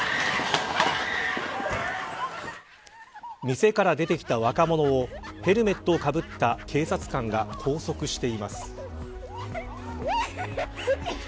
店から出てきた若者をヘルメットをかぶった警察官が拘束しています。